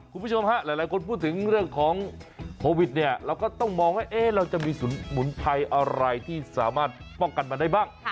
คุณผู้ชมฮะหลายคนพูดถึงเรื่องของโควิดเนี่ยเราก็ต้องมองว่าเราจะมีสมุนไพรอะไรที่สามารถป้องกันมาได้บ้าง